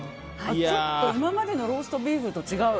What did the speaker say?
今までのローストビーフと違う。